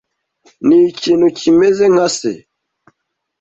Ni ikintu kimeze nka se.